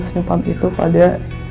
senyepan itu pada